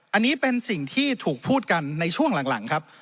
อันนี้เป็นสิ่งที่ถูกพูดกันในช่วงหลังครับ